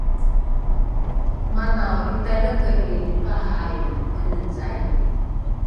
madhao ’italekelini pahai mene caili